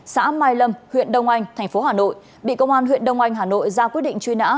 xã mai lâm huyện đông anh thành phố hà nội bị công an huyện đông anh hà nội ra quyết định truy nã